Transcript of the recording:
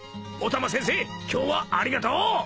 お玉先生今日はありがとう。